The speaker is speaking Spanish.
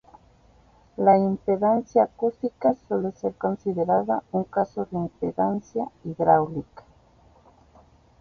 La impedancia acústica suele ser considerada un caso de impedancia hidráulica.